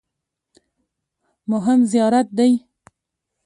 مهم زیارت دی.